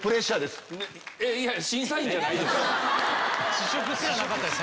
試食すらなかったです